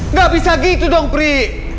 nggak bisa gitu dong pri